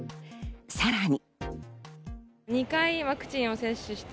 さらに。